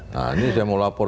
nah ini sudah mau lapor